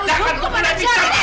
mama harus hukum pada jahat ini